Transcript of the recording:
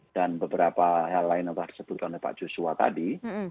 dan beberapa hal lain yang telah disebutkan oleh pak joshua tadi